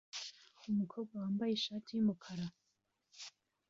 Umukobwa wambaye ishati yumukara